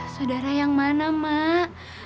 saudara yang mana mak